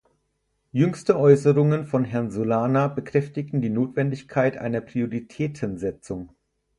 Jüngste Äußerungen von Herrn Solana bekräftigen die Notwendigkeit einer Prioritätensetzung.